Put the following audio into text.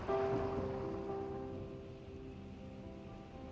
tuhan aku ingin menang